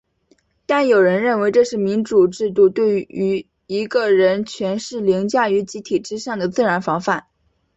但有人认为这是民主制度对一个人权势凌驾于集体之上的自然防范。